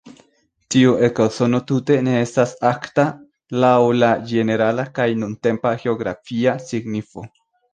Tiu ekozono tute ne estas "arkta" laŭ la ĝenerala kaj nuntempa geografia signifo.